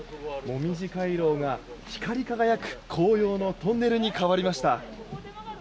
もみじ回廊が光り輝く紅葉のトンネルに変わりました。